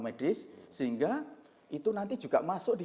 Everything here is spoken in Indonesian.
medis sehingga itu nanti juga masuk di